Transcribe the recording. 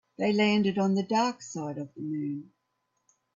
They landed on the dark side of the moon.